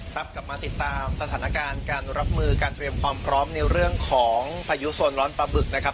กลับมาติดตามสถานการณ์การรับมือการเตรียมความพร้อมในเรื่องของพายุโซนร้อนปลาบึกนะครับ